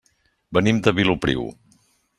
Venim de Vilopriu.